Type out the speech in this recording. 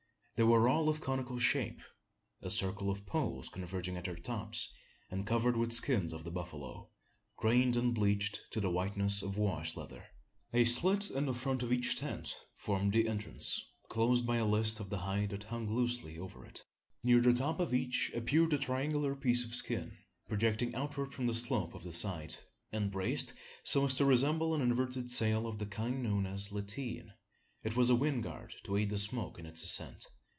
They were all of conical shape; a circle of poles converging at their tops, and covered with skins of the buffalo, grained and bleached to the whiteness of wash leather. A slit in the front of each tent formed the entrance, closed by a list of the hide that hung loosely over it. Near the top of each appeared a triangular piece of skin, projecting outward from the slope of the side, and braced, so as to resemble an inverted sail of the kind known as lateen. It was a wind guard to aid the smoke in its ascent.